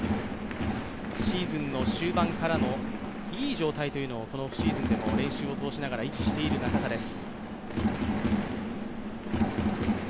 シーズンの終盤からのいい状態というのをこのオフシーズンでも維持している中田です。